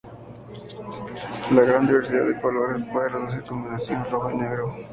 La gran diversidad de colores se puede reducir a combinaciones de "rojo" y "negro".